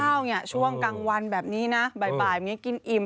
พลิกข้าวนี่ช่วงกลางวันแบบนี้นะบ่ายอย่างนี้กินอิ่ม